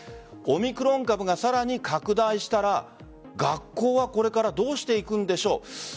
オミクロン株がさらに拡大したら学校はこれからどうしていくんでしょう。